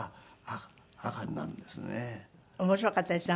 面白かったですね